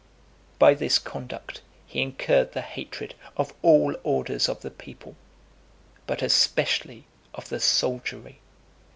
XVI. By this conduct, he incurred the hatred of all orders of the people, but especially of the soldiery.